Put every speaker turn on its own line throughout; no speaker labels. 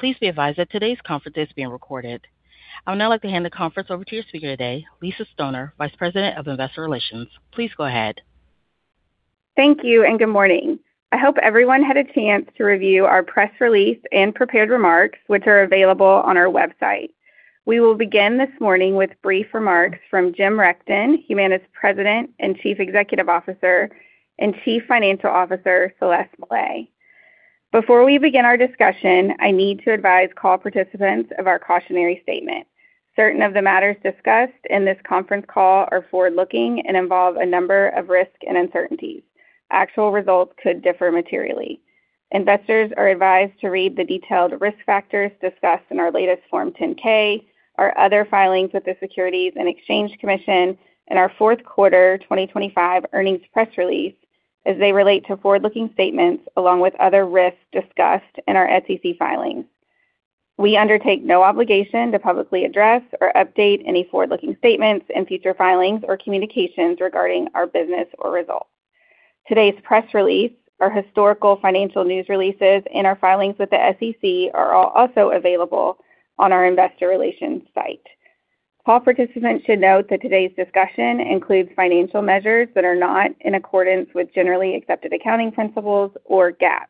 Please be advised that today's conference is being recorded. I would now like to hand the conference over to your speaker today, Lisa Stoner, Vice President of Investor Relations. Please go ahead.
Thank you and good morning. I hope everyone had a chance to review our press release and prepared remarks, which are available on our website. We will begin this morning with brief remarks from Jim Rechtin, Humana's President and Chief Executive Officer, and Chief Financial Officer Celeste Mellett. Before we begin our discussion, I need to advise call participants of our cautionary statement. Certain of the matters discussed in this conference call are forward-looking and involve a number of risks and uncertainties. Actual results could differ materially. Investors are advised to read the detailed risk factors discussed in our latest Form 10-K, our other filings with the Securities and Exchange Commission, and our fourth quarter 2025 earnings press release as they relate to forward-looking statements along with other risks discussed in our SEC filings. We undertake no obligation to publicly address or update any forward-looking statements and future filings or communications regarding our business or results. Today's press release, our historical financial news releases, and our filings with the SEC are all also available on our investor relations site. Call participants should note that today's discussion includes financial measures that are not in accordance with generally accepted accounting principles or GAAP.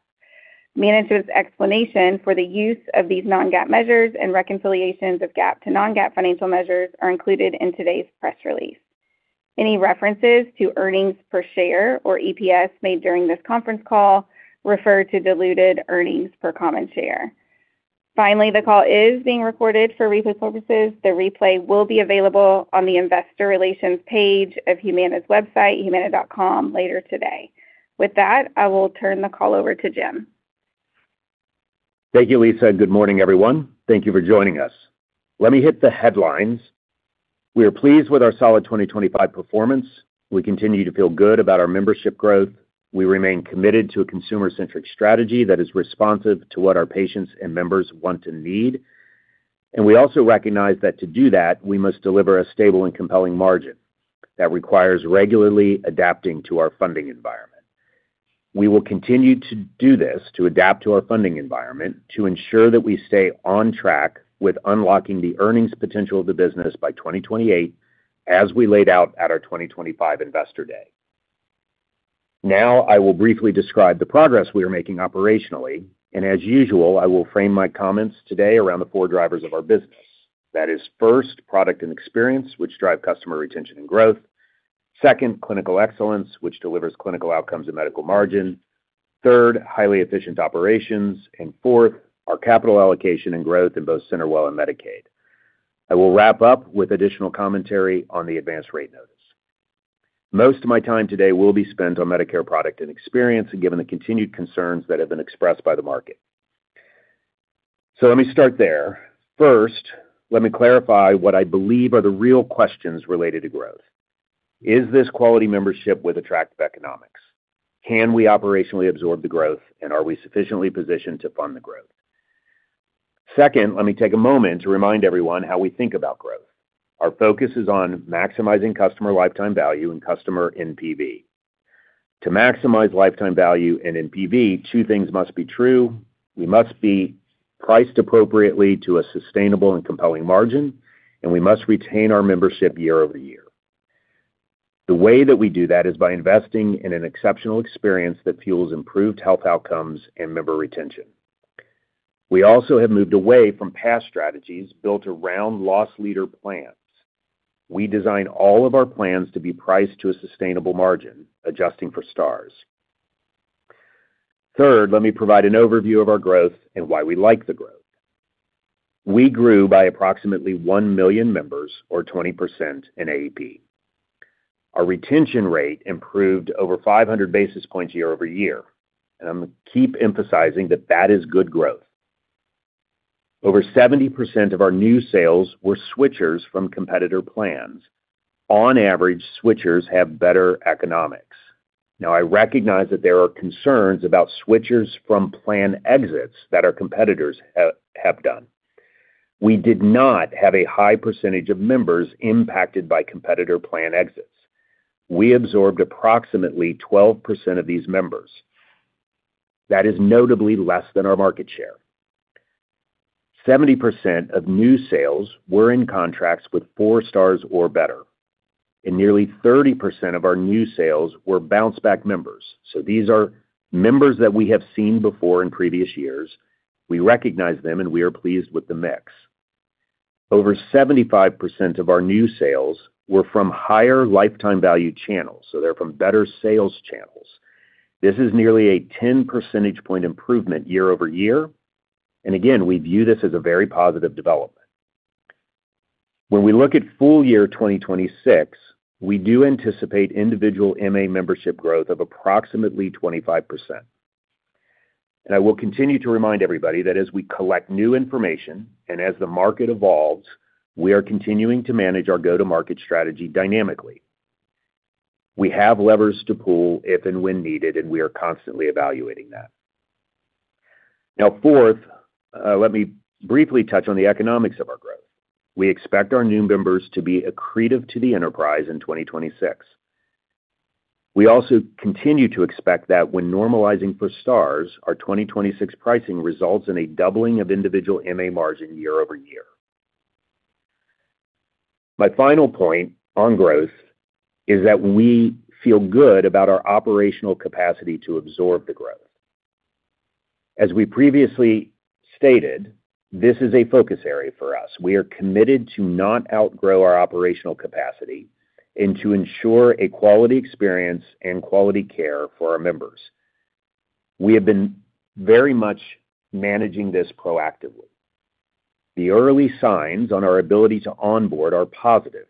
Management's explanation for the use of these non-GAAP measures and reconciliations of GAAP to non-GAAP financial measures are included in today's press release. Any references to earnings per share or EPS made during this conference call refer to diluted earnings per common share. Finally, the call is being recorded for replay purposes. The replay will be available on the investor relations page of Humana's website, humana.com, later today. With that, I will turn the call over to Jim.
Thank you, Lisa. Good morning, everyone. Thank you for joining us. Let me hit the headlines. We are pleased with our solid 2025 performance. We continue to feel good about our membership growth. We remain committed to a consumer-centric strategy that is responsive to what our patients and members want and need. And we also recognize that to do that, we must deliver a stable and compelling margin that requires regularly adapting to our funding environment. We will continue to do this, to adapt to our funding environment, to ensure that we stay on track with unlocking the earnings potential of the business by 2028 as we laid out at our 2025 Investor Day. Now I will briefly describe the progress we are making operationally. And as usual, I will frame my comments today around the four drivers of our business. That is, first, product and experience, which drive customer retention and growth. Second, clinical excellence, which delivers clinical outcomes and medical margin. Third, highly efficient operations. And fourth, our capital allocation and growth in both CenterWell and Medicaid. I will wrap up with additional commentary on the Advance Rate Notice. Most of my time today will be spent on Medicare product and experience and given the continued concerns that have been expressed by the market. So let me start there. First, let me clarify what I believe are the real questions related to growth. Is this quality membership with attractive economics? Can we operationally absorb the growth, and are we sufficiently positioned to fund the growth? Second, let me take a moment to remind everyone how we think about growth. Our focus is on maximizing customer lifetime value and customer NPV. To maximize lifetime value and NPV, two things must be true. We must be priced appropriately to a sustainable and compelling margin, and we must retain our membership year-over-year. The way that we do that is by investing in an exceptional experience that fuels improved health outcomes and member retention. We also have moved away from past strategies built around loss leader plans. We design all of our plans to be priced to a sustainable margin, adjusting for stars. Third, let me provide an overview of our growth and why we like the growth. We grew by approximately 1 million members, or 20%, in AEP. Our retention rate improved over 500 basis points year-over-year. And I'm going to keep emphasizing that that is good growth. Over 70% of our new sales were switches from competitor plans. On average, switches have better economics. Now, I recognize that there are concerns about switches from plan exits that our competitors have done. We did not have a high percentage of members impacted by competitor plan exits. We absorbed approximately 12% of these members. That is notably less than our market share. 70% of new sales were in contracts with four stars or better. Nearly 30% of our new sales were bounce-back members. So these are members that we have seen before in previous years. We recognize them, and we are pleased with the mix. Over 75% of our new sales were from higher lifetime value channels. So they're from better sales channels. This is nearly a 10 percentage point improvement year-over-year. Again, we view this as a very positive development. When we look at full year 2026, we do anticipate individual MA membership growth of approximately 25%. I will continue to remind everybody that as we collect new information and as the market evolves, we are continuing to manage our go-to-market strategy dynamically. We have levers to pull if and when needed, and we are constantly evaluating that. Now, fourth, let me briefly touch on the economics of our growth. We expect our new members to be accretive to the enterprise in 2026. We also continue to expect that when normalizing for stars, our 2026 pricing results in a doubling of individual MA margin year-over-year. My final point on growth is that we feel good about our operational capacity to absorb the growth. As we previously stated, this is a focus area for us. We are committed to not outgrow our operational capacity and to ensure a quality experience and quality care for our members. We have been very much managing this proactively. The early signs on our ability to onboard are positive.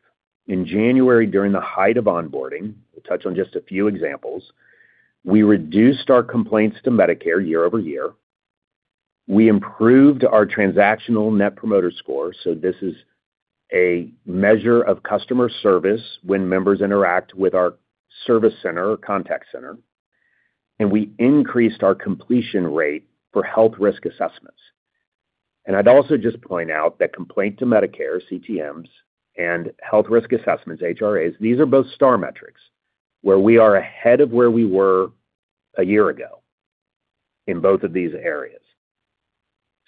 In January, during the height of onboarding, we'll touch on just a few examples. We reduced our complaints to Medicare year-over-year. We improved our transactional Net Promoter Score. So this is a measure of customer service when members interact with our service center or contact center. And we increased our completion rate for Health Risk Assessments. And I'd also just point out that Complaints to Medicare, CTMs, and Health Risk Assessments, HRAs, these are both star metrics where we are ahead of where we were a year ago in both of these areas.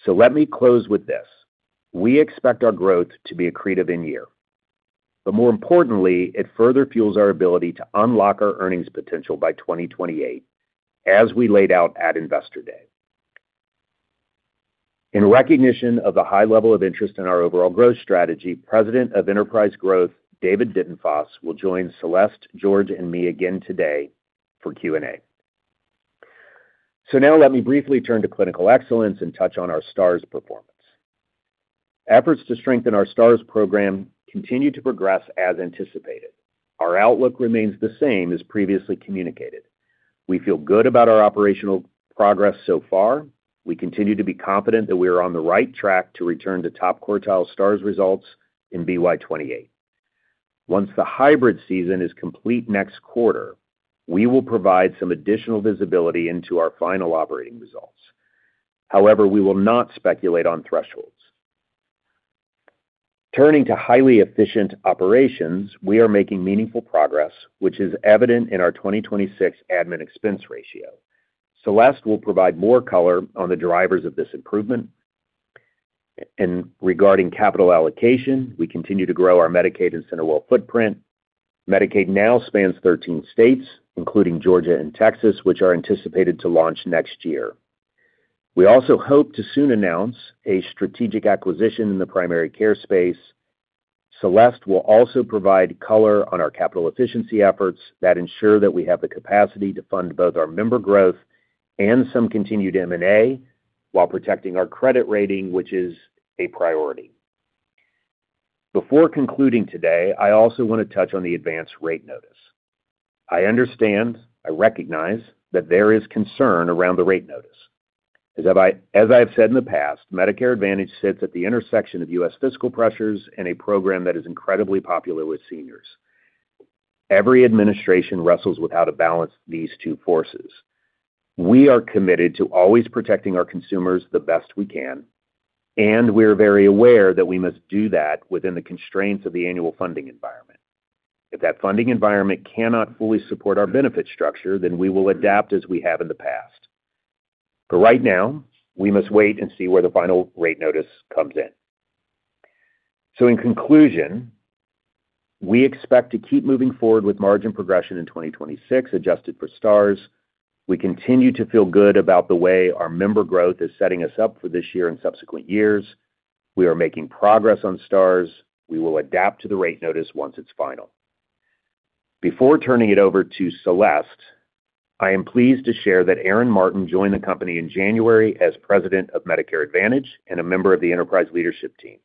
So let me close with this. We expect our growth to be accretive in year. But more importantly, it further fuels our ability to unlock our earnings potential by 2028 as we laid out at Investor Day. In recognition of the high level of interest in our overall growth strategy, President of Enterprise Growth, David Dintenfass, will join Celeste, George, and me again today for Q&A. So now let me briefly turn to clinical excellence and touch on our Stars performance. Efforts to strengthen our Stars program continue to progress as anticipated. Our outlook remains the same as previously communicated. We feel good about our operational progress so far. We continue to be confident that we are on the right track to return to top quartile Stars results in BY28. Once the hybrid season is complete next quarter, we will provide some additional visibility into our final operating results. However, we will not speculate on thresholds. Turning to highly efficient operations, we are making meaningful progress, which is evident in our 2026 admin expense ratio. Celeste will provide more color on the drivers of this improvement. Regarding capital allocation, we continue to grow our Medicaid and CenterWell footprint. Medicaid now spans 13 states, including Georgia and Texas, which are anticipated to launch next year. We also hope to soon announce a strategic acquisition in the primary care space. Celeste will also provide color on our capital efficiency efforts that ensure that we have the capacity to fund both our member growth and some continued M&A while protecting our credit rating, which is a priority. Before concluding today, I also want to touch on the Advance Rate Notice. I understand, I recognize, that there is concern around the rate notice. As I have said in the past, Medicare Advantage sits at the intersection of U.S. fiscal pressures and a program that is incredibly popular with seniors. Every administration wrestles with how to balance these two forces. We are committed to always protecting our consumers the best we can. We're very aware that we must do that within the constraints of the annual funding environment. If that funding environment cannot fully support our benefit structure, then we will adapt as we have in the past. But right now, we must wait and see where the final rate notice comes in. So in conclusion, we expect to keep moving forward with margin progression in 2026 adjusted for stars. We continue to feel good about the way our member growth is setting us up for this year and subsequent years. We are making progress on stars. We will adapt to the rate notice once it's final. Before turning it over to Celeste, I am pleased to share that Aaron Martin joined the company in January as President of Medicare Advantage and a member of the enterprise leadership team.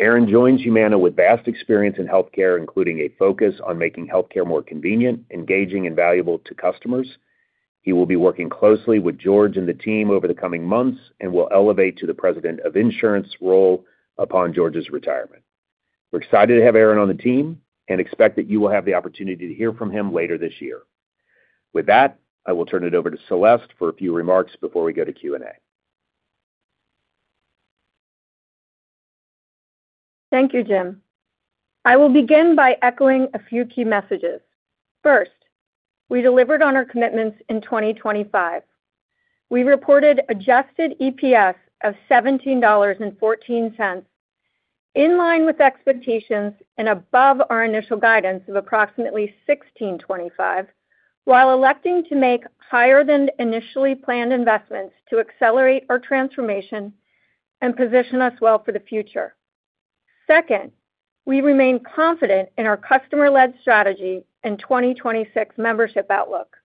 Aaron joins Humana with vast experience in healthcare, including a focus on making healthcare more convenient, engaging, and valuable to customers. He will be working closely with George and the team over the coming months and will elevate to the president of insurance role upon George's retirement. We're excited to have Aaron on the team and expect that you will have the opportunity to hear from him later this year. With that, I will turn it over to Celeste for a few remarks before we go to Q&A.
Thank you, Jim. I will begin by echoing a few key messages. First, we delivered on our commitments in 2025. We reported adjusted EPS of $17.14, in line with expectations and above our initial guidance of approximately $16.25, while electing to make higher-than-initially planned investments to accelerate our transformation and position us well for the future. Second, we remain confident in our customer-led strategy and 2026 membership outlook.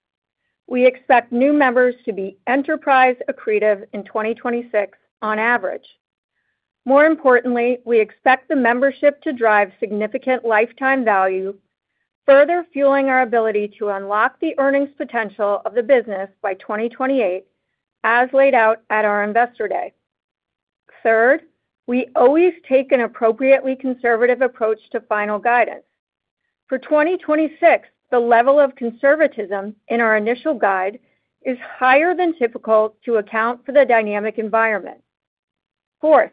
We expect new members to be enterprise accretive in 2026 on average. More importantly, we expect the membership to drive significant lifetime value, further fueling our ability to unlock the earnings potential of the business by 2028, as laid out at our Investor Day. Third, we always take an appropriately conservative approach to final guidance. For 2026, the level of conservatism in our initial guide is higher than typical to account for the dynamic environment. Fourth,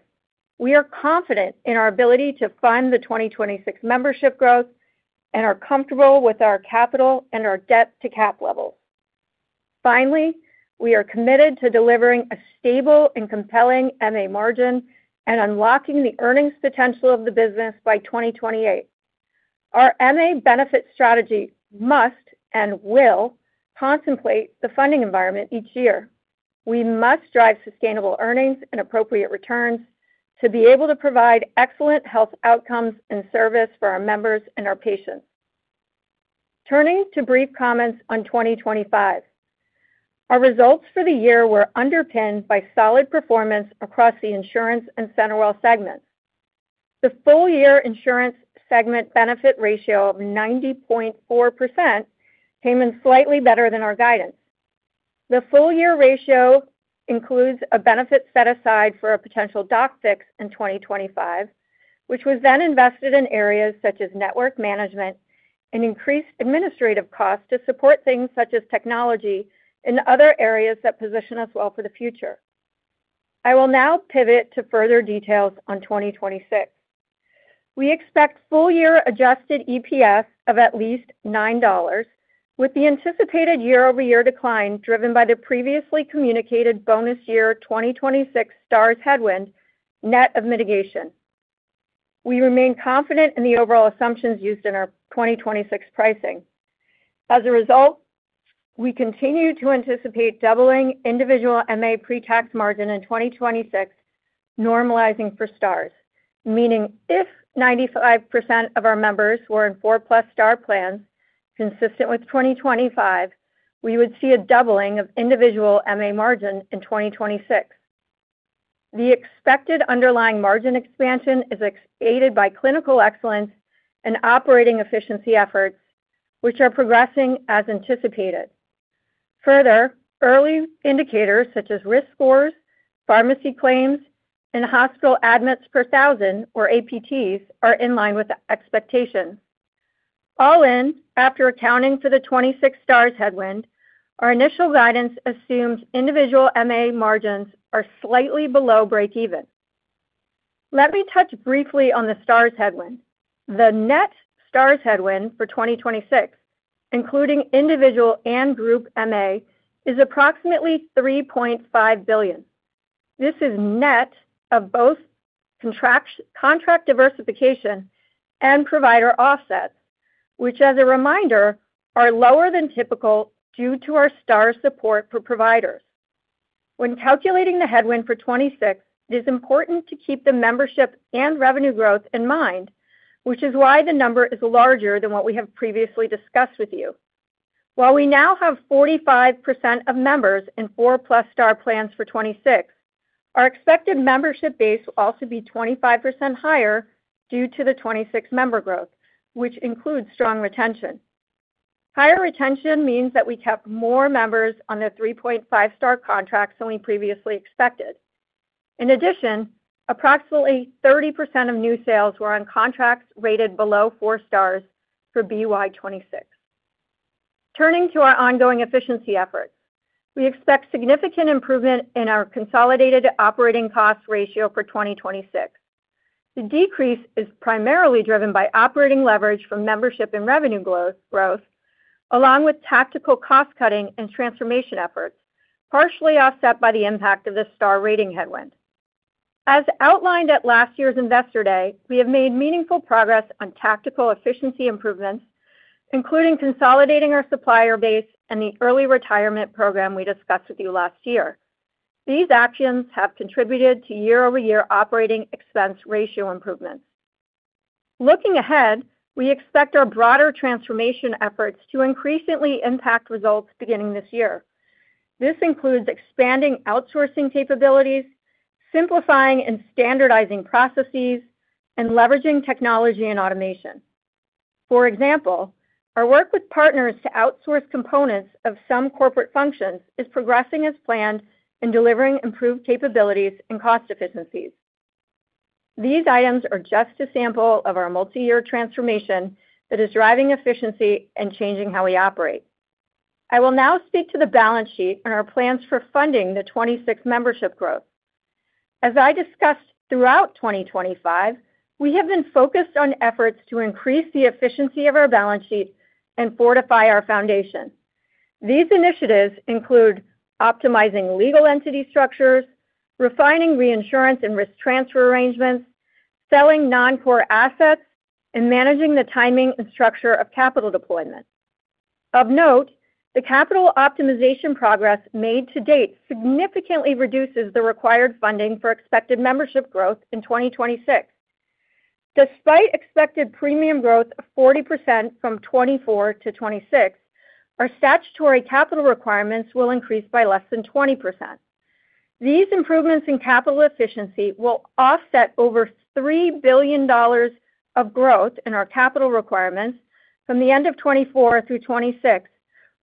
we are confident in our ability to fund the 2026 membership growth and are comfortable with our capital and our debt-to-capital levels. Finally, we are committed to delivering a stable and compelling MA margin and unlocking the earnings potential of the business by 2028. Our MA benefit strategy must and will contemplate the funding environment each year. We must drive sustainable earnings and appropriate returns to be able to provide excellent health outcomes and service for our members and our patients. Turning to brief comments on 2025. Our results for the year were underpinned by solid performance across the insurance and CenterWell segments. The full-year insurance segment benefit ratio of 90.4% came in slightly better than our guidance. The full-year ratio includes a benefit set aside for a potential Doc Fix in 2025, which was then invested in areas such as network management and increased administrative costs to support things such as technology and other areas that position us well for the future. I will now pivot to further details on 2026. We expect full-year adjusted EPS of at least $9, with the anticipated year-over-year decline driven by the previously communicated bonus year 2026 Stars headwind net of mitigation. We remain confident in the overall assumptions used in our 2026 pricing. As a result, we continue to anticipate doubling individual MA pre-tax margin in 2026, normalizing for stars, meaning if 95% of our members were in four-plus star plans consistent with 2025, we would see a doubling of individual MA margin in 2026. The expected underlying margin expansion is aided by clinical excellence and operating efficiency efforts, which are progressing as anticipated. Further, early indicators such as risk scores, pharmacy claims, and hospital admits per thousand, or APTs, are in line with expectations. All in, after accounting for the 2026 Stars headwind, our initial guidance assumes individual MA margins are slightly below break-even. Let me touch briefly on the Stars headwind. The net Stars headwind for 2026, including individual and group MA, is approximately $3.5 billion. This is net of both contract diversification and provider offsets, which, as a reminder, are lower than typical due to our star support for providers. When calculating the headwind for 2026, it is important to keep the membership and revenue growth in mind, which is why the number is larger than what we have previously discussed with you. While we now have 45% of members in four-plus star plans for 2026, our expected membership base will also be 25% higher due to the 2026 member growth, which includes strong retention. Higher retention means that we kept more members on the 3.5-star contracts than we previously expected. In addition, approximately 30% of new sales were on contracts rated below four stars for BY26. Turning to our ongoing efficiency efforts, we expect significant improvement in our consolidated operating costs ratio for 2026. The decrease is primarily driven by operating leverage from membership and revenue growth, along with tactical cost-cutting and transformation efforts, partially offset by the impact of the star rating headwind. As outlined at last year's Investor Day, we have made meaningful progress on tactical efficiency improvements, including consolidating our supplier base and the early retirement program we discussed with you last year. These actions have contributed to year-over-year operating expense ratio improvements. Looking ahead, we expect our broader transformation efforts to increasingly impact results beginning this year. This includes expanding outsourcing capabilities, simplifying and standardizing processes, and leveraging technology and automation. For example, our work with partners to outsource components of some corporate functions is progressing as planned in delivering improved capabilities and cost efficiencies. These items are just a sample of our multi-year transformation that is driving efficiency and changing how we operate. I will now speak to the balance sheet and our plans for funding the 2026 membership growth. As I discussed throughout 2025, we have been focused on efforts to increase the efficiency of our balance sheet and fortify our foundation. These initiatives include optimizing legal entity structures, refining reinsurance and risk transfer arrangements, selling non-core assets, and managing the timing and structure of capital deployment. Of note, the capital optimization progress made to date significantly reduces the required funding for expected membership growth in 2026. Despite expected premium growth of 40% from 2024 to 2026, our statutory capital requirements will increase by less than 20%. These improvements in capital efficiency will offset over $3 billion of growth in our capital requirements from the end of 2024 through 2026,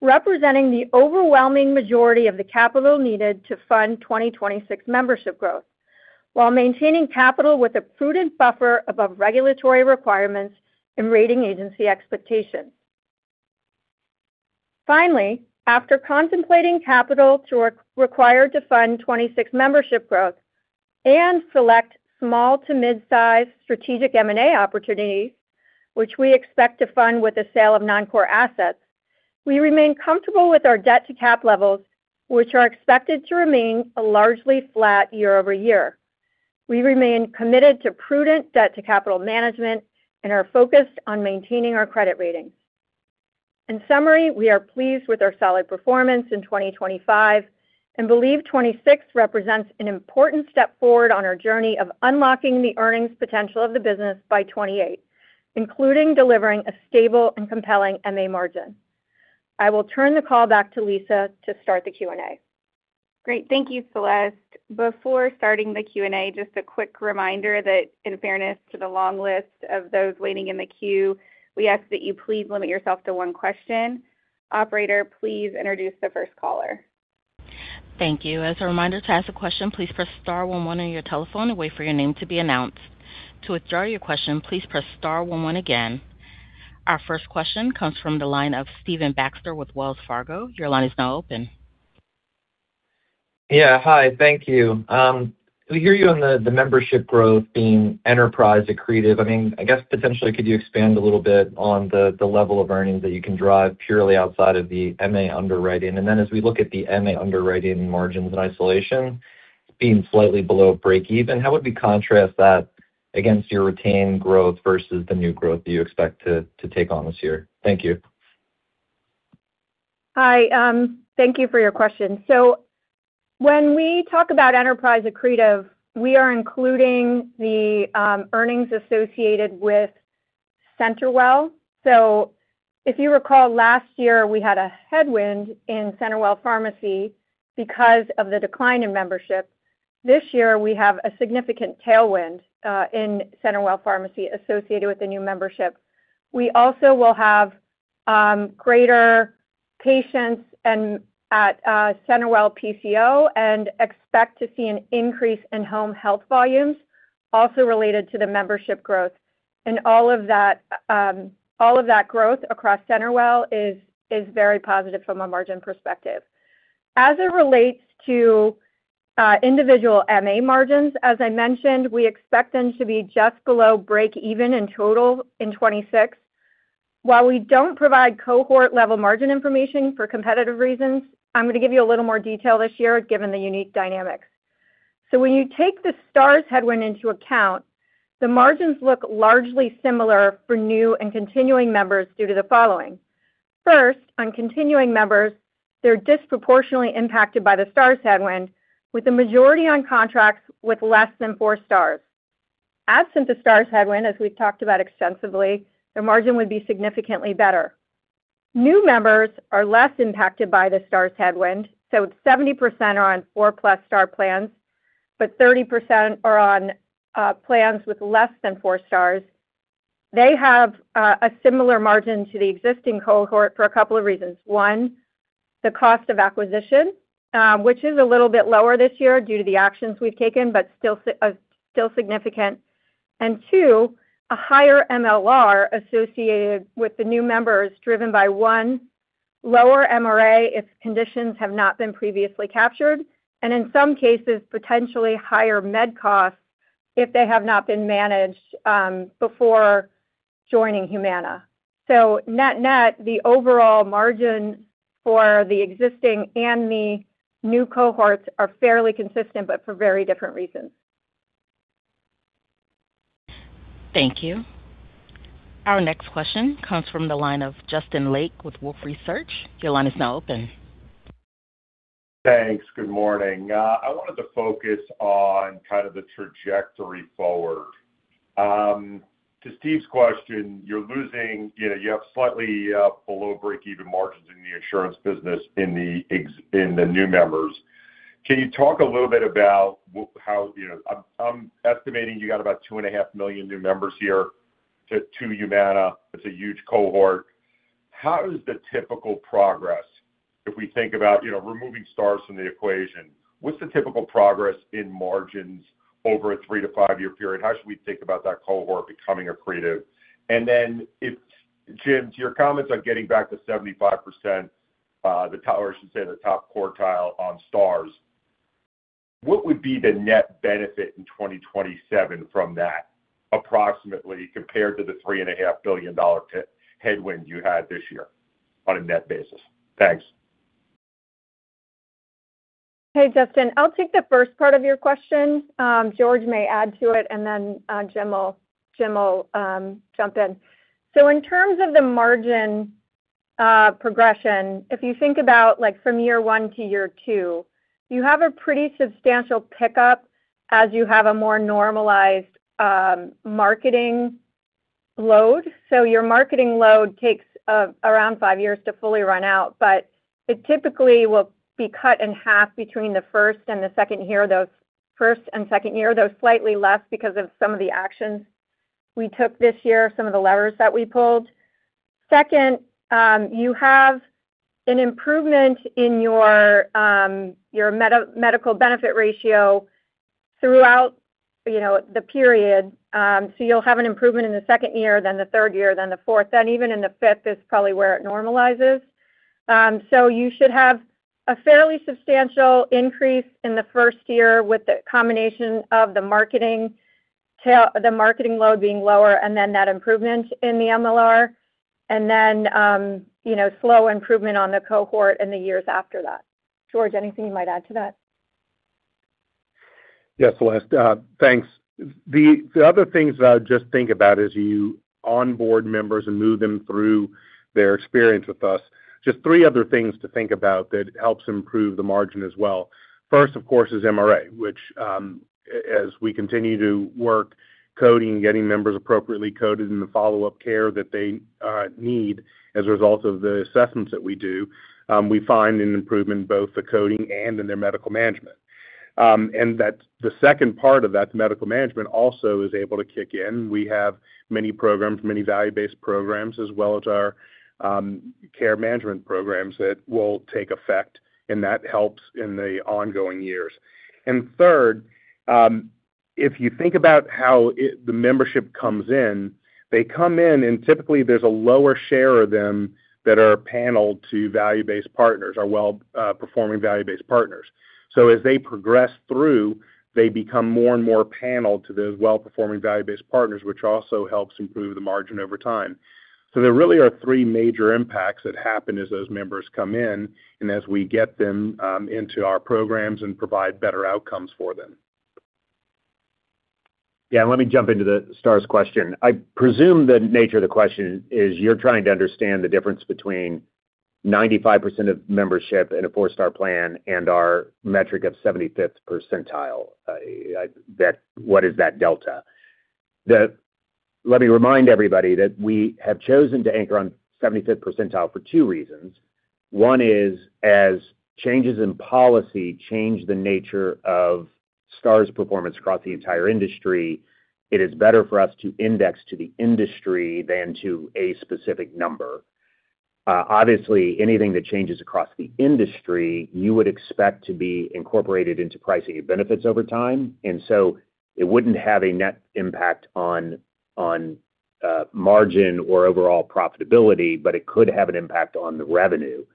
representing the overwhelming majority of the capital needed to fund 2026 membership growth, while maintaining capital with a prudent buffer above regulatory requirements and rating agency expectations. Finally, after contemplating capital required to fund 2026 membership growth and select small to mid-sized strategic M&A opportunities, which we expect to fund with the sale of non-core assets, we remain comfortable with our debt-to-cap levels, which are expected to remain largely flat year-over-year. We remain committed to prudent debt-to-capital management and are focused on maintaining our credit ratings. In summary, we are pleased with our solid performance in 2025 and believe 2026 represents an important step forward on our journey of unlocking the earnings potential of the business by 2028, including delivering a stable and compelling MA margin. I will turn the call back to Lisa to start the Q&A.
Great. Thank you, Celeste. Before starting the Q&A, just a quick reminder that, in fairness to the long list of those waiting in the queue, we ask that you please limit yourself to one question. Operator, please introduce the first caller.
Thank you. As a reminder, to ask a question, please press star 11 on your telephone and wait for your name to be announced. To withdraw your question, please press star 11 again. Our first question comes from the line of Stephen Baxter with Wells Fargo. Your line is now open.
Yeah. Hi. Thank you. We hear you on the membership growth being enterprise accretive. I mean, I guess potentially, could you expand a little bit on the level of earnings that you can drive purely outside of the MA underwriting? And then as we look at the MA underwriting margins in isolation, it's being slightly below break-even. How would we contrast that against your retained growth versus the new growth that you expect to take on this year? Thank you.
Hi. Thank you for your question. So when we talk about enterprise accretive, we are including the earnings associated with CenterWell. So if you recall, last year, we had a headwind in CenterWell Pharmacy because of the decline in membership. This year, we have a significant tailwind in CenterWell Pharmacy associated with the new membership. We also will have greater patients at CenterWell PCO and expect to see an increase in home health volumes, also related to the membership growth. And all of that growth across CenterWell is very positive from a margin perspective. As it relates to individual MA margins, as I mentioned, we expect them to be just below break-even in total in 2026. While we don't provide cohort-level margin information for competitive reasons, I'm going to give you a little more detail this year given the unique dynamics. So when you take the Star headwind into account, the margins look largely similar for new and continuing members due to the following. First, on continuing members, they're disproportionately impacted by the Star headwind, with the majority on contracts with less than four stars. Absent the Star headwind, as we've talked about extensively, their margin would be significantly better. New members are less impacted by the Star headwind, so 70% are on four-plus Star plans, but 30% are on plans with less than four stars. They have a similar margin to the existing cohort for a couple of reasons. One, the cost of acquisition, which is a little bit lower this year due to the actions we've taken but still significant. And two, a higher MLR associated with the new members driven by one, lower MRA if conditions have not been previously captured, and in some cases, potentially higher med costs if they have not been managed before joining Humana. So net-net, the overall margin for the existing and the new cohorts are fairly consistent but for very different reasons.
Thank you. Our next question comes from the line of Justin Lake with Wolfe Research. Your line is now open.
Thanks. Good morning. I wanted to focus on kind of the trajectory forward. To Steve's question, you have slightly below break-even margins in the insurance business in the new members. Can you talk a little bit about how I'm estimating you got about 2.5 million new members here to Humana. It's a huge cohort. How is the typical progress if we think about removing stars from the equation? What's the typical progress in margins over a three-five year period? How should we think about that cohort becoming accretive? And then, Jim, to your comments on getting back to 75%, or I should say the top quartile on stars, what would be the net benefit in 2027 from that, approximately, compared to the $3.5 billion headwind you had this year on a net basis? Thanks.
Hey, Justin. I'll take the first part of your question. George may add to it, and then Jim will jump in. So in terms of the margin progression, if you think about from year one to year two, you have a pretty substantial pickup as you have a more normalized marketing load. So your marketing load takes around five years to fully run out, but it typically will be cut in half between the first and the second year, though first and second year, though slightly less because of some of the actions we took this year, some of the levers that we pulled. Second, you have an improvement in your medical benefit ratio throughout the period. So you'll have an improvement in the second year, then the third year, then the fourth. Then even in the fifth is probably where it normalizes. So you should have a fairly substantial increase in the first year with the combination of the marketing load being lower and then that improvement in the MLR, and then slow improvement on the cohort in the years after that. George, anything you might add to that?
Yes, Celeste. Thanks. The other things that I would just think about as you onboard members and move them through their experience with us, just three other things to think about that helps improve the margin as well. First, of course, is MRA, which as we continue to work coding and getting members appropriately coded and the follow-up care that they need as a result of the assessments that we do, we find an improvement both the coding and in their medical management. And the second part of that, the medical management, also is able to kick in. We have many programs, many value-based programs, as well as our care management programs that will take effect, and that helps in the ongoing years. And third, if you think about how the membership comes in, they come in, and typically, there's a lower share of them that are paneled to value-based partners, our well-performing value-based partners. So as they progress through, they become more and more paneled to those well-performing value-based partners, which also helps improve the margin over time. So there really are three major impacts that happen as those members come in and as we get them into our programs and provide better outcomes for them.
Yeah. Let me jump into the STAR's question. I presume the nature of the question is you're trying to understand the difference between 95% of membership in a four-star plan and our metric of 75th percentile. What is that delta? Let me remind everybody that we have chosen to anchor on 75th percentile for two reasons. One is as changes in policy change the nature of STAR's performance across the entire industry, it is better for us to index to the industry than to a specific number. Obviously, anything that changes across the industry, you would expect to be incorporated into pricing and benefits over time. And so it wouldn't have a net impact on margin or overall profitability, but it could have an impact on the revenue.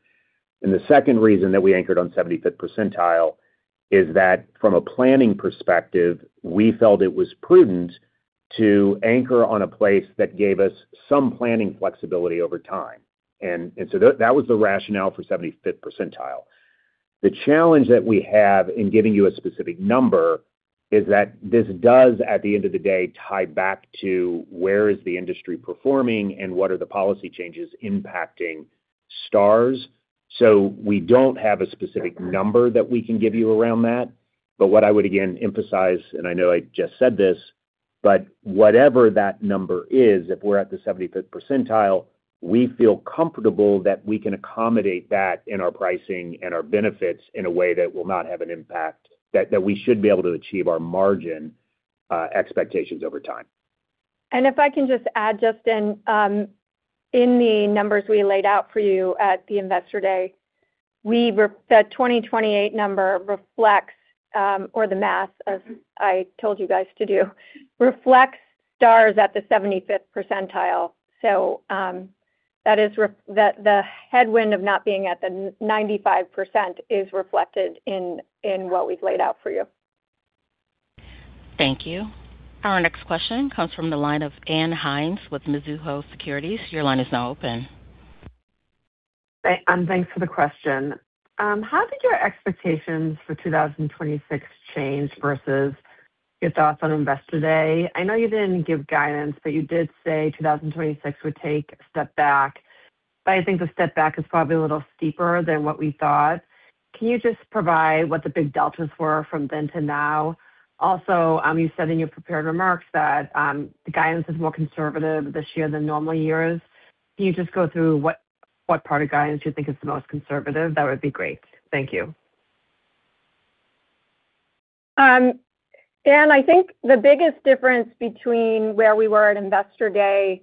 The second reason that we anchored on 75th percentile is that from a planning perspective, we felt it was prudent to anchor on a place that gave us some planning flexibility over time. And so that was the rationale for 75th percentile. The challenge that we have in giving you a specific number is that this does, at the end of the day, tie back to where is the industry performing and what are the policy changes impacting stars. So we don't have a specific number that we can give you around that. But what I would, again, emphasize, and I know I just said this, but whatever that number is, if we're at the 75th percentile, we feel comfortable that we can accommodate that in our pricing and our benefits in a way that will not have an impact, that we should be able to achieve our margin expectations over time.
If I can just add, Justin, in the numbers we laid out for you at the Investor Day, the 2028 number reflects, or the math as I told you guys to do, reflects stars at the 75th percentile. So the headwind of not being at the 95% is reflected in what we've laid out for you.
Thank you. Our next question comes from the line of Ann Hynes with Mizuho Securities. Your line is now open.
Thanks for the question. How did your expectations for 2026 change versus your thoughts on Investor Day? I know you didn't give guidance, but you did say 2026 would take a step back. But I think the step back is probably a little steeper than what we thought. Can you just provide what the big deltas were from then to now? Also, you said in your prepared remarks that the guidance is more conservative this year than normal years. Can you just go through what part of guidance you think is the most conservative? That would be great. Thank you.
Anne, I think the biggest difference between where we were at Investor Day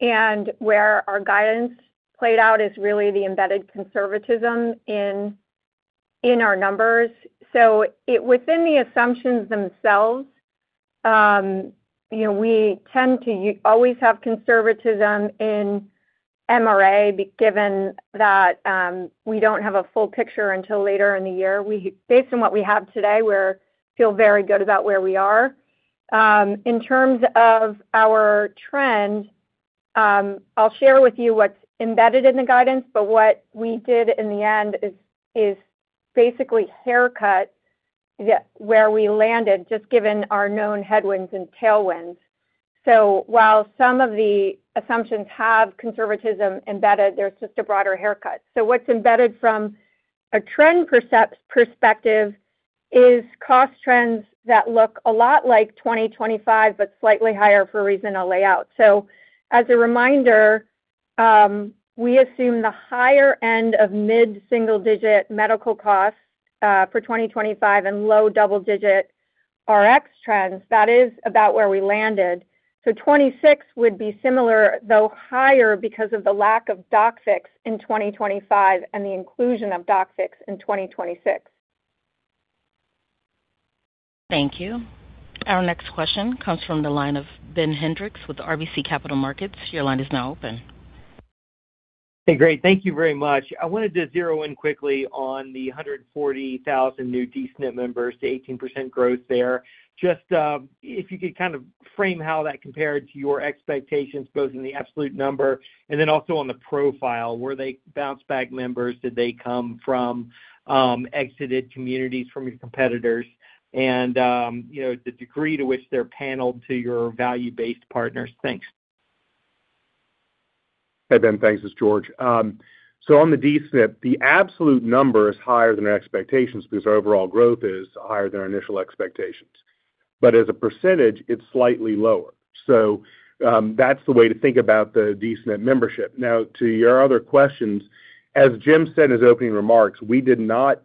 and where our guidance played out is really the embedded conservatism in our numbers. So within the assumptions themselves, we tend to always have conservatism in MRA, given that we don't have a full picture until later in the year. Based on what we have today, we feel very good about where we are. In terms of our trend, I'll share with you what's embedded in the guidance, but what we did in the end is basically haircut where we landed, just given our known headwinds and tailwinds. So while some of the assumptions have conservatism embedded, there's just a broader haircut. So what's embedded from a trend perspective is cost trends that look a lot like 2025 but slightly higher for reason of layout. So as a reminder, we assume the higher end of mid-single-digit medical costs for 2025 and low double-digit RX trends, that is about where we landed. So 26 would be similar, though higher because of the lack of Doc Fix in 2025 and the inclusion of Doc Fix in 2026.
Thank you. Our next question comes from the line of Ben Hendricks with RBC Capital Markets. Your line is now open.
Hey, great. Thank you very much. I wanted to zero in quickly on the 140,000 new D-SNP members, the 18% growth there. Just if you could kind of frame how that compared to your expectations, both in the absolute number and then also on the profile. Were they bounce-back members? Did they come from exited communities, from your competitors? And the degree to which they're paneled to your value-based partners. Thanks.
Hey, Ben. Thanks. It's George. So on the D-SNP, the absolute number is higher than our expectations because our overall growth is higher than our initial expectations. But as a percentage, it's slightly lower. So that's the way to think about the D-SNP membership. Now, to your other questions, as Jim said in his opening remarks, we did not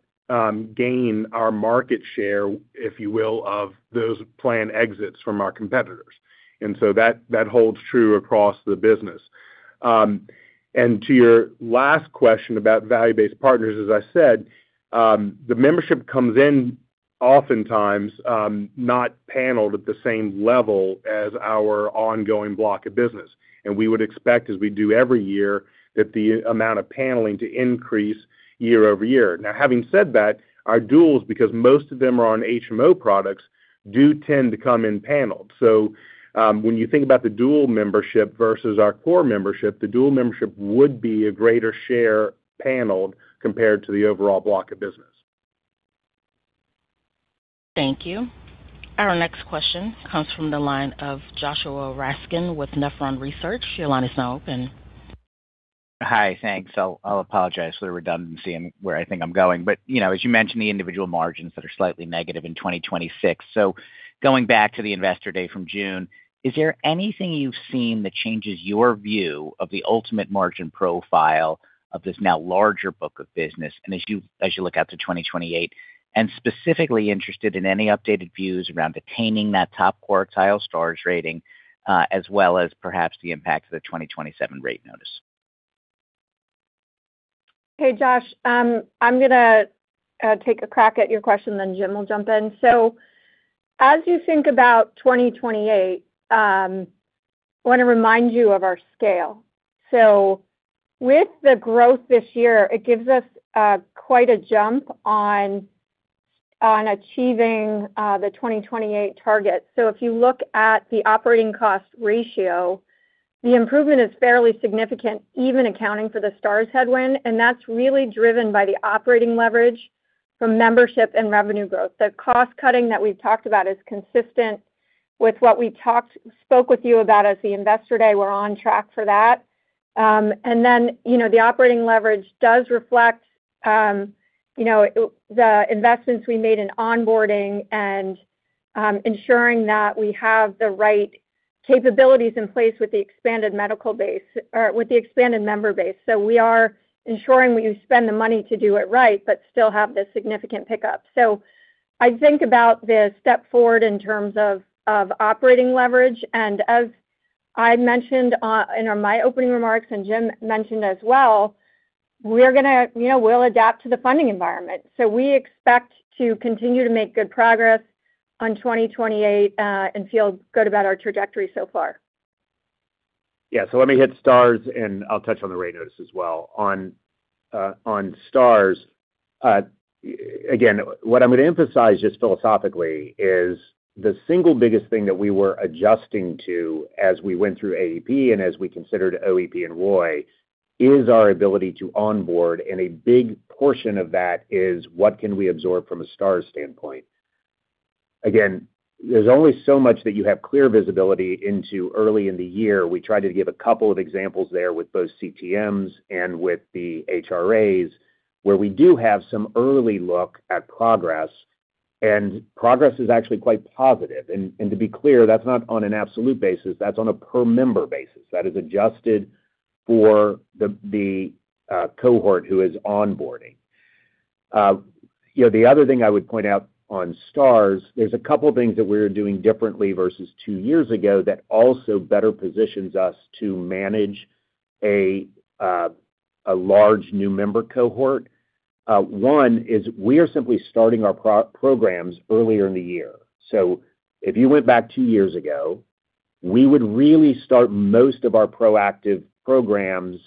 gain our market share, if you will, of those plan exits from our competitors. And so that holds true across the business. And to your last question about value-based partners, as I said, the membership comes in oftentimes not paneled at the same level as our ongoing block of business. And we would expect, as we do every year, that the amount of paneling to increase year-over-year. Now, having said that, our duals, because most of them are on HMO products, do tend to come in paneled. When you think about the dual membership versus our core membership, the dual membership would be a greater share paneled compared to the overall block of business.
Thank you. Our next question comes from the line of Joshua Raskin with Nephron Research. Your line is now open.
Hi. Thanks. I'll apologize for the redundancy and where I think I'm going. But as you mentioned, the individual margins that are slightly negative in 2026. So going back to the Investor Day from June, is there anything you've seen that changes your view of the ultimate margin profile of this now larger book of business? And as you look out to 2028, and specifically interested in any updated views around attaining that top quartile STAR ratings, as well as perhaps the impact of the 2027 rate notice?
Hey, Josh. I'm going to take a crack at your question, then Jim will jump in. So as you think about 2028, I want to remind you of our scale. So with the growth this year, it gives us quite a jump on achieving the 2028 target. So if you look at the operating cost ratio, the improvement is fairly significant, even accounting for the Stars headwind. And that's really driven by the operating leverage from membership and revenue growth. The cost cutting that we've talked about is consistent with what we spoke with you about as the Investor Day. We're on track for that. And then the operating leverage does reflect the investments we made in onboarding and ensuring that we have the right capabilities in place with the expanded medical base or with the expanded member base. So we are ensuring we spend the money to do it right but still have this significant pickup. So I think about the step forward in terms of operating leverage. And as I mentioned in my opening remarks and Jim mentioned as well, we'll adapt to the funding environment. So we expect to continue to make good progress on 2028 and feel good about our trajectory so far.
Yeah. So let me hit stars, and I'll touch on the rate notice as well. On stars, again, what I'm going to emphasize just philosophically is the single biggest thing that we were adjusting to as we went through AEP and as we considered OEP and ROI is our ability to onboard, and a big portion of that is what can we absorb from a stars standpoint. Again, there's only so much that you have clear visibility into early in the year. We tried to give a couple of examples there with both CTMs and with the HRAs where we do have some early look at progress. And progress is actually quite positive. And to be clear, that's not on an absolute basis. That's on a per-member basis. That is adjusted for the cohort who is onboarding. The other thing I would point out on stars, there's a couple of things that we're doing differently versus two years ago that also better positions us to manage a large new member cohort. One is we are simply starting our programs earlier in the year. So if you went back two years ago, we would really start most of our proactive programs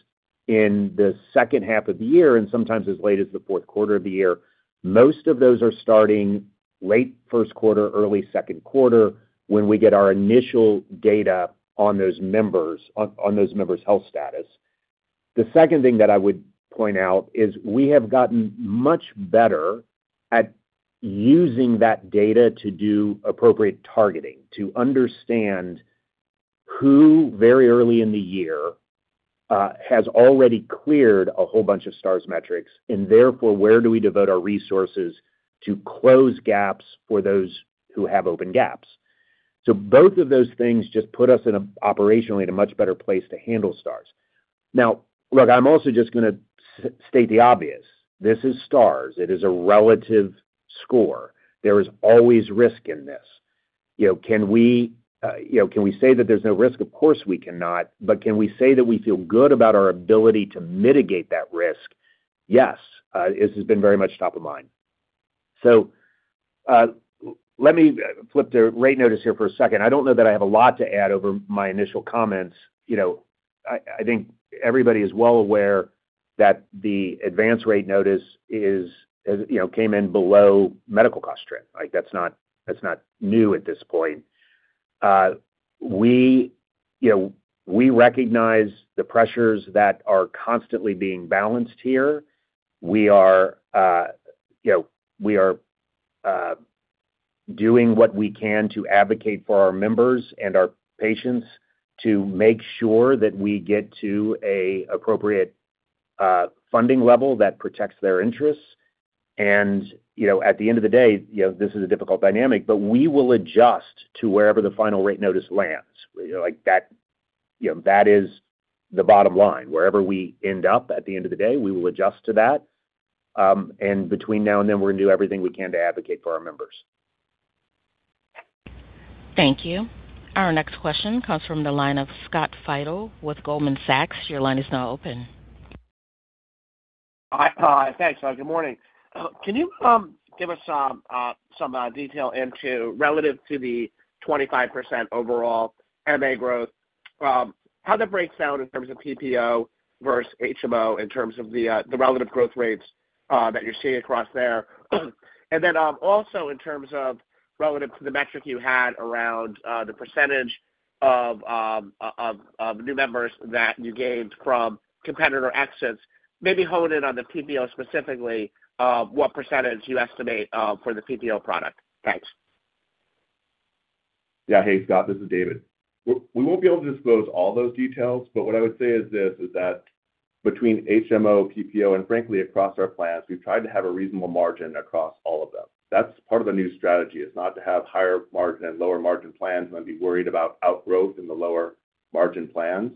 in the second half of the year, and sometimes as late as the fourth quarter of the year. Most of those are starting late first quarter, early second quarter when we get our initial data on those members' health status. The second thing that I would point out is we have gotten much better at using that data to do appropriate targeting, to understand who very early in the year has already cleared a whole bunch of Stars metrics, and therefore, where do we devote our resources to close gaps for those who have open gaps? So both of those things just put us operationally in a much better place to handle Stars. Now, look, I'm also just going to state the obvious. This is Stars. It is a relative score. There is always risk in this. Can we say that there's no risk? Of course, we cannot. But can we say that we feel good about our ability to mitigate that risk? Yes. This has been very much top of mind. So let me flip the rate notice here for a second. I don't know that I have a lot to add over my initial comments. I think everybody is well aware that the Advance Rate Notice came in below medical cost trend. That's not new at this point. We recognize the pressures that are constantly being balanced here. We are doing what we can to advocate for our members and our patients to make sure that we get to an appropriate funding level that protects their interests. And at the end of the day, this is a difficult dynamic, but we will adjust to wherever the final rate notice lands. That is the bottom line. Wherever we end up at the end of the day, we will adjust to that. And between now and then, we're going to do everything we can to advocate for our members.
Thank you. Our next question comes from the line of Scott Fidel with Goldman Sachs. Your line is now open.
Hi. Thanks. Good morning. Can you give us some detail relative to the 25% overall MA growth? How that breaks down in terms of PPO versus HMO, in terms of the relative growth rates that you're seeing across there? And then also in terms of relative to the metric you had around the percentage of new members that you gained from competitor exits, maybe hone in on the PPO specifically, what percentage you estimate for the PPO product. Thanks.
Yeah. Hey, Scott. This is David. We won't be able to disclose all those details, but what I would say is this: between HMO, PPO, and frankly, across our plans, we've tried to have a reasonable margin across all of them. That's part of the new strategy, is not to have higher margin and lower margin plans and then be worried about outgrowth in the lower margin plans.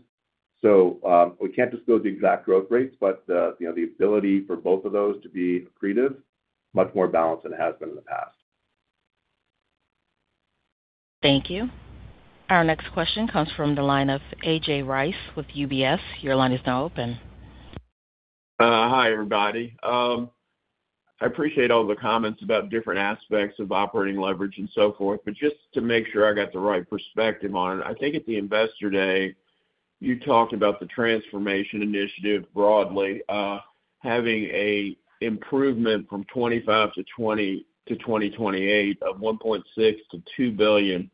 So we can't disclose the exact growth rates, but the ability for both of those to be accretive is much more balanced than it has been in the past.
Thank you. Our next question comes from the line of AJ Rice with UBS. Your line is now open.
Hi, everybody. I appreciate all the comments about different aspects of operating leverage and so forth, but just to make sure I got the right perspective on it, I think at the Investor Day, you talked about the transformation initiative broadly, having an improvement from 2025 to 2028 of $1.6 billion-$2 billion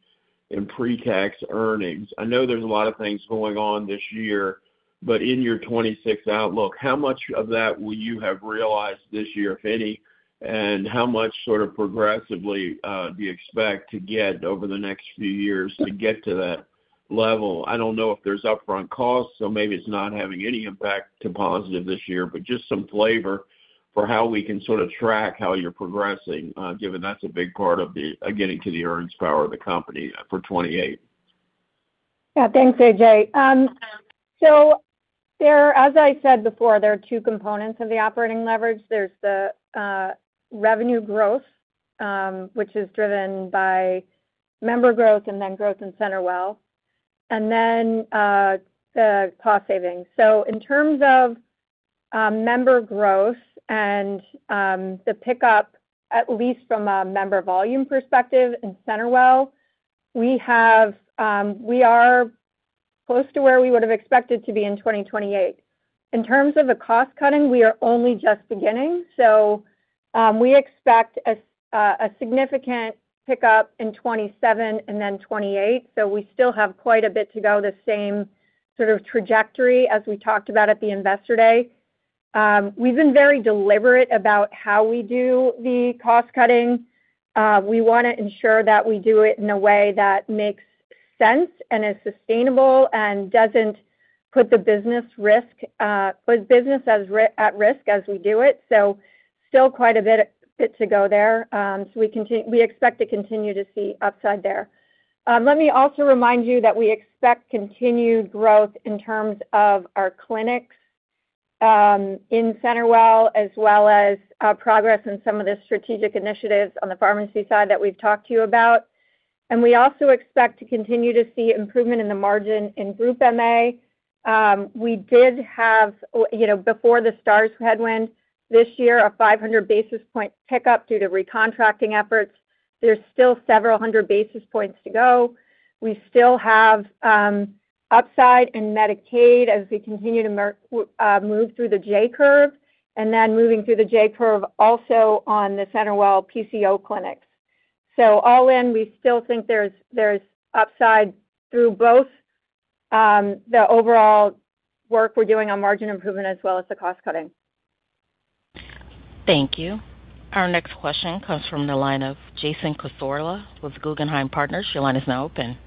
in pre-tax earnings. I know there's a lot of things going on this year, but in your 2026 outlook, how much of that will you have realized this year, if any? And how much sort of progressively do you expect to get over the next few years to get to that level? I don't know if there's upfront costs, so maybe it's not having any impact to positive this year, but just some flavor for how we can sort of track how you're progressing, given that's a big part of getting to the earnings power of the company for 2028.
Yeah. Thanks, AJ. So as I said before, there are two components of the operating leverage. There's the revenue growth, which is driven by member growth and then growth in CenterWell, and then the cost savings. So in terms of member growth and the pickup, at least from a member volume perspective in CenterWell, we are close to where we would have expected to be in 2028. In terms of the cost cutting, we are only just beginning. So we expect a significant pickup in 2027 and then 2028. So we still have quite a bit to go, the same sort of trajectory as we talked about at the Investor Day. We've been very deliberate about how we do the cost cutting. We want to ensure that we do it in a way that makes sense and is sustainable and doesn't put the business at risk as we do it. So still quite a bit to go there. So we expect to continue to see upside there. Let me also remind you that we expect continued growth in terms of our clinics in CenterWell, as well as progress in some of the strategic initiatives on the pharmacy side that we've talked to you about. And we also expect to continue to see improvement in the margin in group MA. We did have, before the stars headwind this year, a 500 basis point pickup due to recontracting efforts. There's still several hundred basis points to go. We still have upside in Medicaid as we continue to move through the J Curve, and then moving through the J Curve also on the CenterWell PCO clinics. So all in, we still think there's upside through both the overall work we're doing on margin improvement as well as the cost cutting.
Thank you. Our next question comes from the line of Jason Cassorla with Guggenheim Partners. Your line is now open.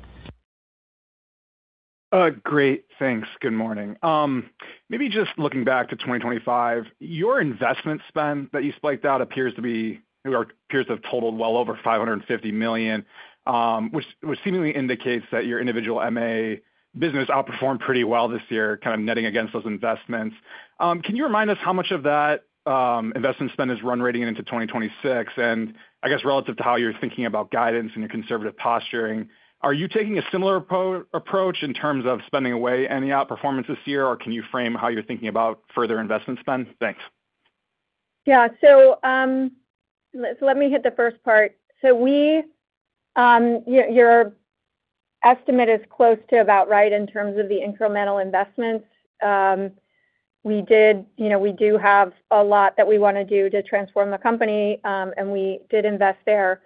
Great. Thanks. Good morning. Maybe just looking back to 2025, your investment spend that you spiked out appears to be or appears to have totaled well over $550 million, which seemingly indicates that your individual MA business outperformed pretty well this year, kind of netting against those investments. Can you remind us how much of that investment spend is run rating into 2026? And I guess relative to how you're thinking about guidance and your conservative posturing, are you taking a similar approach in terms of spending away any outperformance this year, or can you frame how you're thinking about further investment spend? Thanks.
Yeah. So let me hit the first part. So your estimate is close to about right in terms of the incremental investments. We do have a lot that we want to do to transform the company, and we did invest there.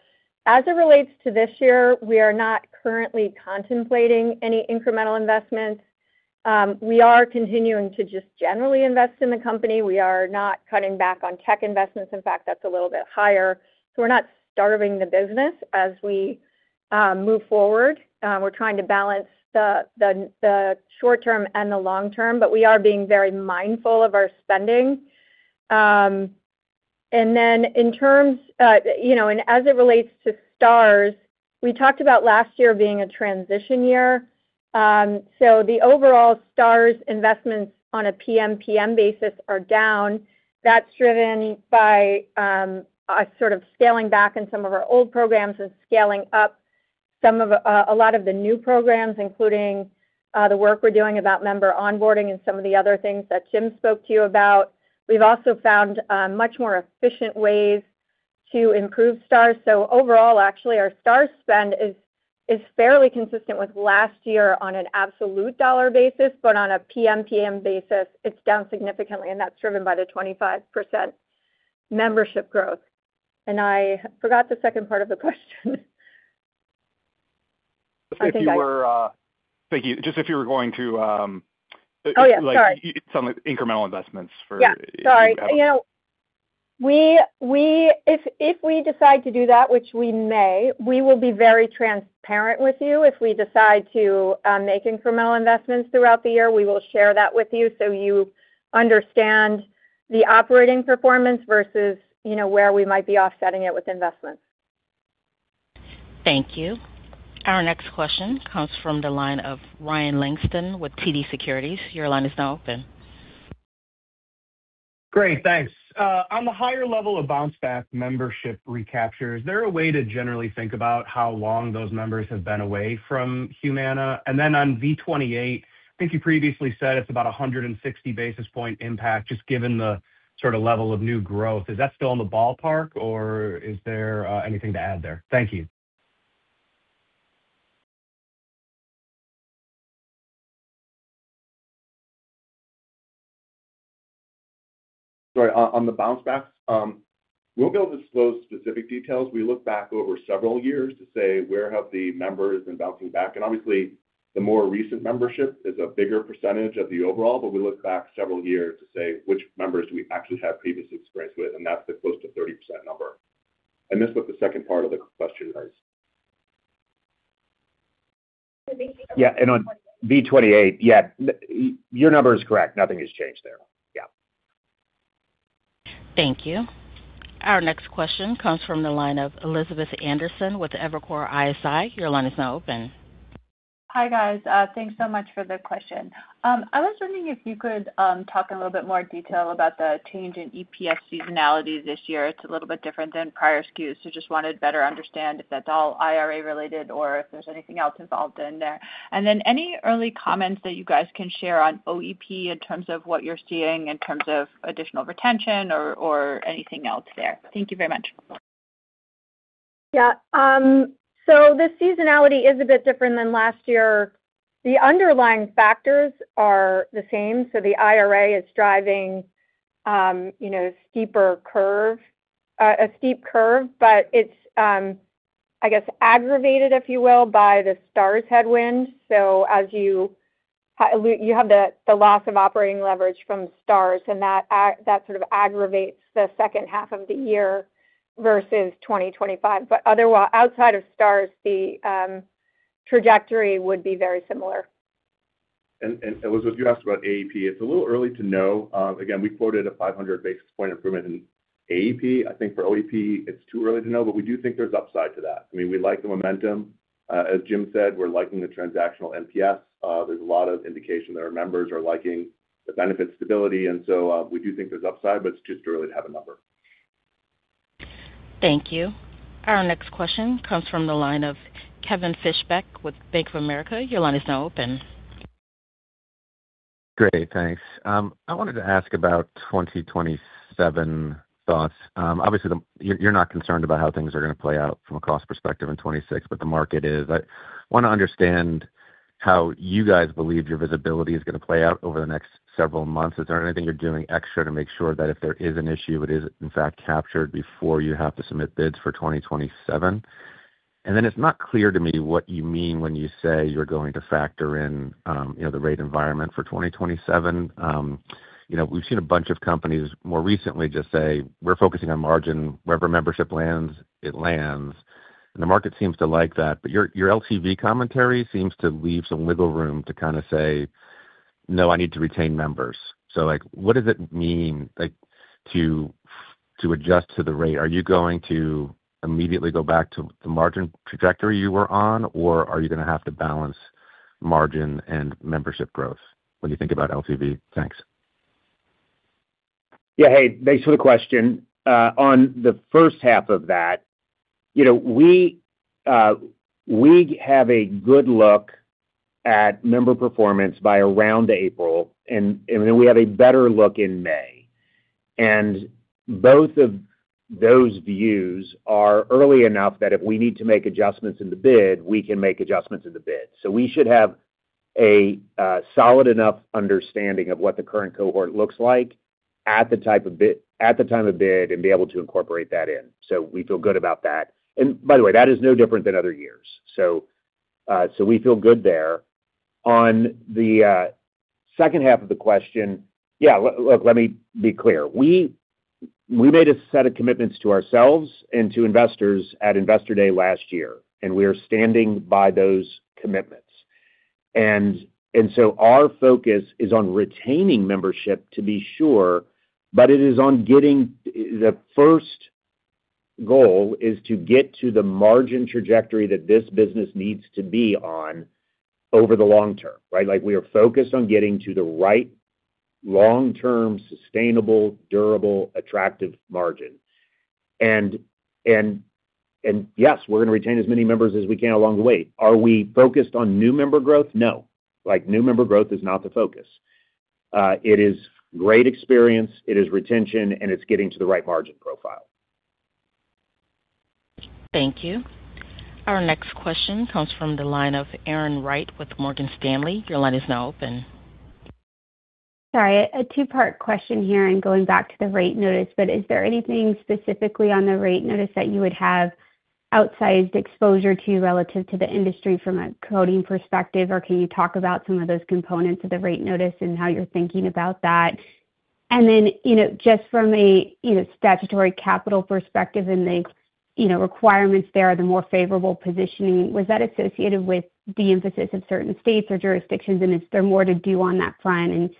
As it relates to this year, we are not currently contemplating any incremental investments. We are continuing to just generally invest in the company. We are not cutting back on tech investments. In fact, that's a little bit higher. So we're not starving the business as we move forward. We're trying to balance the short-term and the long-term, but we are being very mindful of our spending. And then in terms and as it relates to stars, we talked about last year being a transition year. So the overall stars investments on a PM/PM basis are down. That's driven by us sort of scaling back in some of our old programs and scaling up a lot of the new programs, including the work we're doing about member onboarding and some of the other things that Jim spoke to you about. We've also found much more efficient ways to improve stars. So overall, actually, our stars spend is fairly consistent with last year on an absolute dollar basis, but on a PM/PM basis, it's down significantly, and that's driven by the 25% membership growth. And I forgot the second part of the question.
I think you were. Thank you. Just if you were going to.
Oh, yeah. Sorry.
Incremental investments for.
Yeah. Sorry. If we decide to do that, which we may, we will be very transparent with you. If we decide to make incremental investments throughout the year, we will share that with you so you understand the operating performance versus where we might be offsetting it with investments.
Thank you. Our next question comes from the line of Ryan Langston with TD Securities. Your line is now open.
Great. Thanks. On the higher level of bounce-back membership recaptures, is there a way to generally think about how long those members have been away from Humana? And then on V28, I think you previously said it's about 160 basis point impact, just given the sort of level of new growth. Is that still in the ballpark, or is there anything to add there? Thank you.
Sorry. On the bounce-backs, we won't be able to disclose specific details. We look back over several years to say where have the members been bouncing back. And obviously, the more recent membership is a bigger percentage of the overall, but we look back several years to say which members do we actually have previous experience with, and that's the close to 30% number. And that's what the second part of the question is. Yeah. And on V28, yeah, your number is correct. Nothing has changed there. Yeah.
Thank you. Our next question comes from the line of Elizabeth Anderson with Evercore ISI. Your line is now open.
Hi, guys. Thanks so much for the question. I was wondering if you could talk in a little bit more detail about the change in EPS seasonalities this year. It's a little bit different than prior skews, so just wanted to better understand if that's all IRA-related or if there's anything else involved in there. And then any early comments that you guys can share on OEP in terms of what you're seeing in terms of additional retention or anything else there? Thank you very much.
Yeah. So the seasonality is a bit different than last year. The underlying factors are the same. So the IRA is driving a steep curve, but it's, I guess, aggravated, if you will, by the stars headwind. So you have the loss of operating leverage from stars, and that sort of aggravates the second half of the year versus 2025. But outside of stars, the trajectory would be very similar.
Elizabeth, you asked about AEP. It's a little early to know. Again, we quoted a 500 basis point improvement in AEP. I think for OEP, it's too early to know, but we do think there's upside to that. I mean, we like the momentum. As Jim said, we're liking the transactional NPS. There's a lot of indication that our members are liking the benefit stability. And so we do think there's upside, but it's just too early to have a number.
Thank you. Our next question comes from the line of Kevin Fischbeck with Bank of America. Your line is now open.
Great. Thanks. I wanted to ask about 2027 thoughts. Obviously, you're not concerned about how things are going to play out from a cost perspective in 2026, but the market is. I want to understand how you guys believe your visibility is going to play out over the next several months. Is there anything you're doing extra to make sure that if there is an issue, it is, in fact, captured before you have to submit bids for 2027? And then it's not clear to me what you mean when you say you're going to factor in the rate environment for 2027. We've seen a bunch of companies more recently just say, "We're focusing on margin. Wherever membership lands, it lands." And the market seems to like that. But your LTV commentary seems to leave some wiggle room to kind of say, "No, I need to retain members." So what does it mean to adjust to the rate? Are you going to immediately go back to the margin trajectory you were on, or are you going to have to balance margin and membership growth when you think about LTV? Thanks.
Yeah. Hey, thanks for the question. On the first half of that, we have a good look at member performance by around April, and then we have a better look in May. Both of those views are early enough that if we need to make adjustments in the bid, we can make adjustments in the bid. We should have a solid enough understanding of what the current cohort looks like at the type of bid at the time of bid and be able to incorporate that in. We feel good about that. By the way, that is no different than other years. We feel good there. On the second half of the question, yeah, look, let me be clear. We made a set of commitments to ourselves and to investors at Investor Day last year, and we are standing by those commitments. So our focus is on retaining membership to be sure, but it is on getting the first goal is to get to the margin trajectory that this business needs to be on over the long term, right? We are focused on getting to the right long-term, sustainable, durable, attractive margin. And yes, we're going to retain as many members as we can along the way. Are we focused on new member growth? No. New member growth is not the focus. It is great experience. It is retention, and it's getting to the right margin profile.
Thank you. Our next question comes from the line of Erin Wright with Morgan Stanley. Your line is now open.
Sorry. A two-part question here and going back to the rate notice, but is there anything specifically on the rate notice that you would have outsized exposure to relative to the industry from a quoting perspective, or can you talk about some of those components of the rate notice and how you're thinking about that? And then just from a statutory capital perspective and the requirements there, the more favorable positioning, was that associated with the emphasis of certain states or jurisdictions, and is there more to do on that front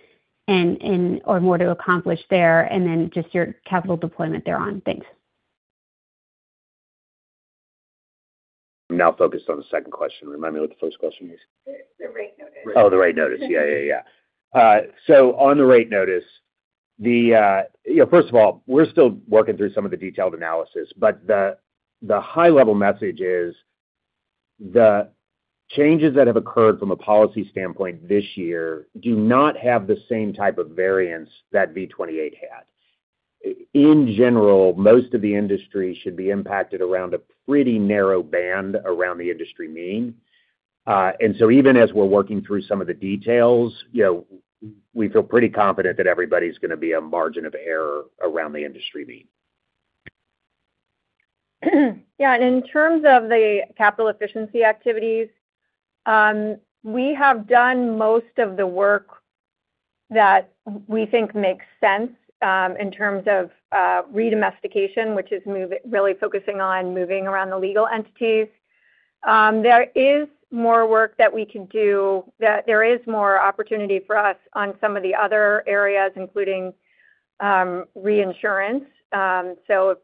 or more to accomplish there and then just your capital deployment thereon? Thanks.
I'm now focused on the second question. Remind me what the first question is.
The rate notice.
Oh, the rate notice. Yeah, yeah, yeah. So on the rate notice, first of all, we're still working through some of the detailed analysis, but the high-level message is the changes that have occurred from a policy standpoint this year do not have the same type of variance that V28 had. In general, most of the industry should be impacted around a pretty narrow band around the industry mean. And so even as we're working through some of the details, we feel pretty confident that everybody's going to be a margin of error around the industry mean.
Yeah. In terms of the capital efficiency activities, we have done most of the work that we think makes sense in terms of redomestication, which is really focusing on moving around the legal entities. There is more work that we can do. There is more opportunity for us on some of the other areas, including reinsurance. So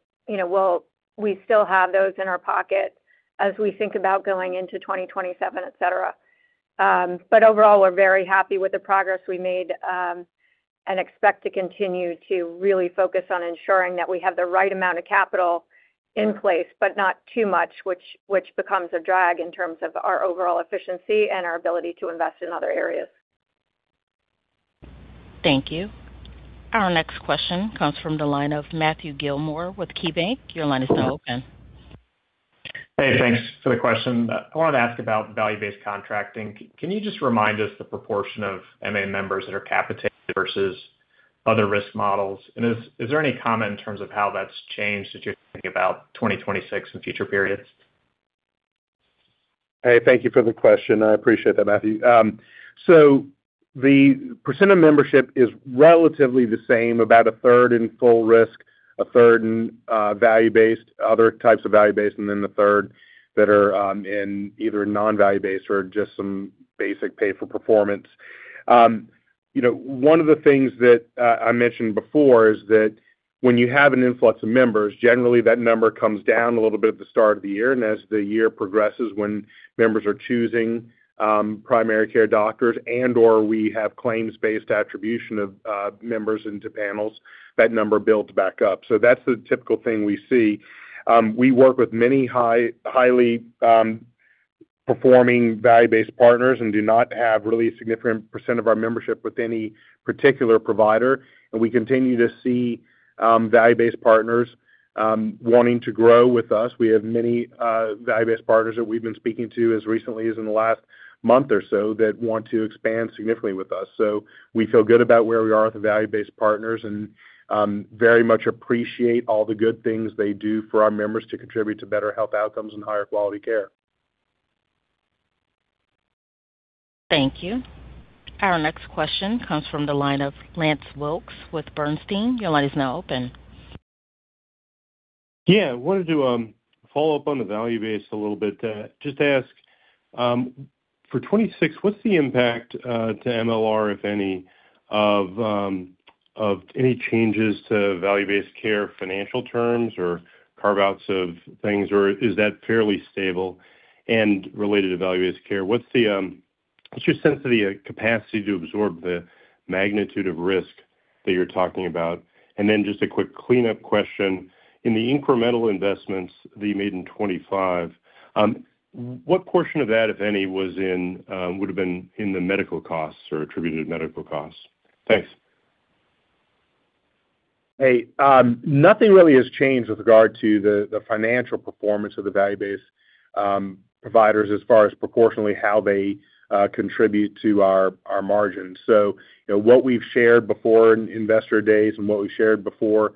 we still have those in our pocket as we think about going into 2027, etc. But overall, we're very happy with the progress we made and expect to continue to really focus on ensuring that we have the right amount of capital in place, but not too much, which becomes a drag in terms of our overall efficiency and our ability to invest in other areas.
Thank you. Our next question comes from the line of Matthew Gilmore with KeyBank. Your line is now open.
Hey. Thanks for the question. I wanted to ask about value-based contracting. Can you just remind us the proportion of MA members that are capitated versus other risk models? And is there any comment in terms of how that's changed that you're thinking about 2026 and future periods?
Hey. Thank you for the question. I appreciate that, Matthew. So the percent of membership is relatively the same, about a third in full risk, a third in other types of value-based, and then a third that are either non-value-based or just some basic pay-for-performance. One of the things that I mentioned before is that when you have an influx of members, generally, that number comes down a little bit at the start of the year. And as the year progresses, when members are choosing primary care doctors and/or we have claims-based attribution of members into panels, that number builds back up. So that's the typical thing we see. We work with many highly performing value-based partners and do not have really a significant percent of our membership with any particular provider. And we continue to see value-based partners wanting to grow with us. We have many value-based partners that we've been speaking to as recently as in the last month or so that want to expand significantly with us. So we feel good about where we are with the value-based partners and very much appreciate all the good things they do for our members to contribute to better health outcomes and higher quality care.
Thank you. Our next question comes from the line of Lance Wilkes with Bernstein. Your line is now open.
Yeah. I wanted to follow up on the value-based a little bit, just to ask, for 2026, what's the impact to MLR, if any, of any changes to value-based care financial terms or carve-outs of things, or is that fairly stable and related to value-based care? What's your sense of the capacity to absorb the magnitude of risk that you're talking about? And then just a quick cleanup question. In the incremental investments that you made in 2025, what portion of that, if any, would have been in the medical costs or attributed medical costs? Thanks.
Hey. Nothing really has changed with regard to the financial performance of the value-based providers as far as proportionally how they contribute to our margins. So what we've shared before in Investor Days and what we've shared before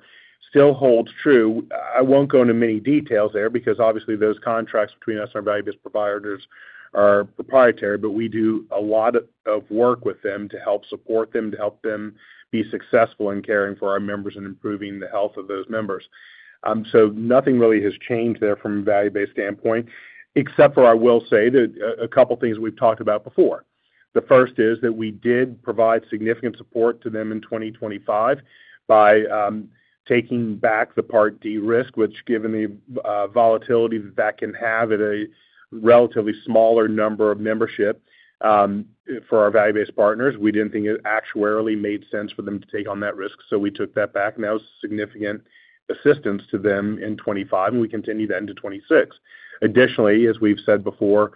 still holds true. I won't go into many details there because, obviously, those contracts between us and our value-based providers are proprietary, but we do a lot of work with them to help support them, to help them be successful in caring for our members and improving the health of those members. So nothing really has changed there from a value-based standpoint, except for I will say a couple of things we've talked about before. The first is that we did provide significant support to them in 2025 by taking back the Part D risk, which, given the volatility that that can have at a relatively smaller number of membership for our value-based partners, we didn't think it actuarially made sense for them to take on that risk. So we took that back. Now, significant assistance to them in 2025, and we continue that into 2026. Additionally, as we've said before,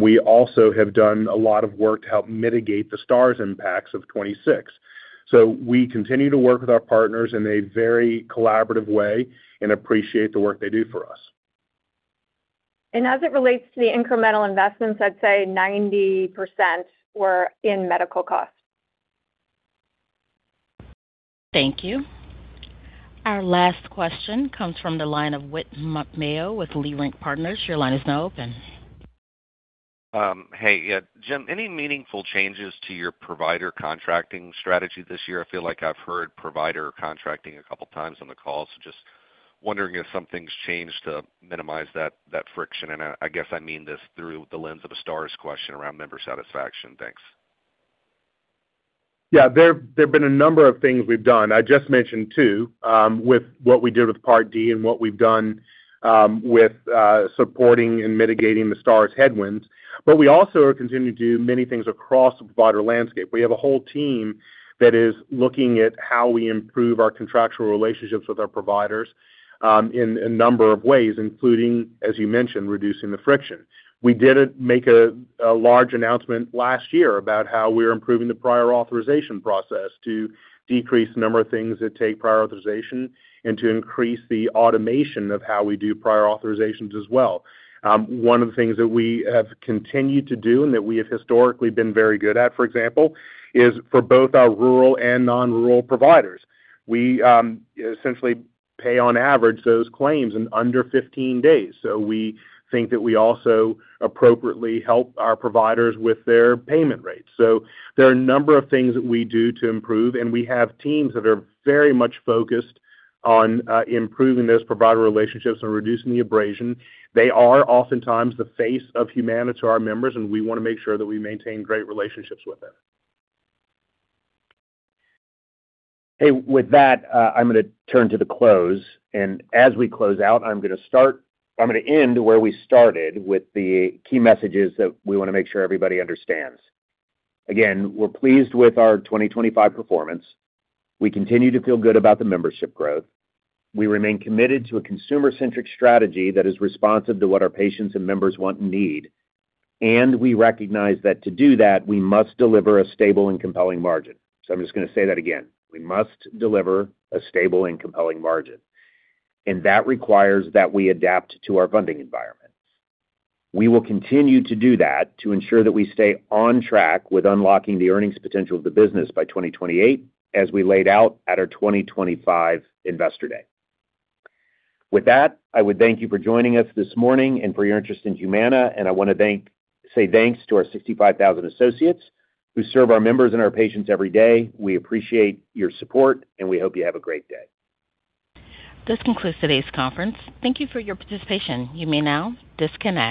we also have done a lot of work to help mitigate the Stars impacts of 2026. So we continue to work with our partners in a very collaborative way and appreciate the work they do for us.
As it relates to the incremental investments, I'd say 90% were in medical costs.
Thank you. Our last question comes from the line of Whit Mayo with Leerink Partners. Your line is now open.
Hey. Yeah. Jim, any meaningful changes to your provider contracting strategy this year? I feel like I've heard provider contracting a couple of times on the call, so just wondering if something's changed to minimize that friction. And I guess I mean this through the lens of a Stars question around member satisfaction. Thanks.
Yeah. There have been a number of things we've done. I just mentioned two with what we did with Part D and what we've done with supporting and mitigating the Stars headwinds. But we also continue to do many things across the provider landscape. We have a whole team that is looking at how we improve our contractual relationships with our providers in a number of ways, including, as you mentioned, reducing the friction. We did make a large announcement last year about how we're improving the prior authorization process to decrease the number of things that take prior authorization and to increase the automation of how we do prior authorizations as well. One of the things that we have continued to do and that we have historically been very good at, for example, is for both our rural and non-rural providers. We essentially pay, on average, those claims in under 15 days. So we think that we also appropriately help our providers with their payment rates. So there are a number of things that we do to improve, and we have teams that are very much focused on improving those provider relationships and reducing the abrasion. They are oftentimes the face of Humana to our members, and we want to make sure that we maintain great relationships with them.
Hey. With that, I'm going to turn to the close. As we close out, I'm going to end where we started with the key messages that we want to make sure everybody understands. Again, we're pleased with our 2025 performance. We continue to feel good about the membership growth. We remain committed to a consumer-centric strategy that is responsive to what our patients and members want and need. We recognize that to do that, we must deliver a stable and compelling margin. So I'm just going to say that again. We must deliver a stable and compelling margin. That requires that we adapt to our funding environment. We will continue to do that to ensure that we stay on track with unlocking the earnings potential of the business by 2028 as we laid out at our 2025 Investor Day. With that, I would thank you for joining us this morning and for your interest in Humana. I want to say thanks to our 65,000 associates who serve our members and our patients every day. We appreciate your support, and we hope you have a great day.
This concludes today's conference. Thank you for your participation. You may now disconnect.